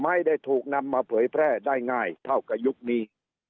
ไม่ได้ถูกนำมาเผยแพร่ได้ง่ายเท่ากับยุคนี้